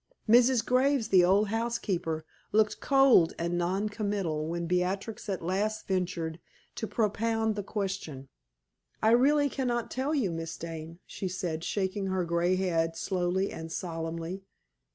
Mrs. Graves, the old housekeeper, looked cold and non committal when Beatrix at last ventured to propound the question. "I really can not tell you, Miss Dane," she said, shaking her gray head slowly and solemnly.